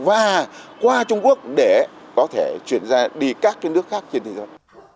và qua trung quốc để có thể chuyển ra đi các nước khác trên thế giới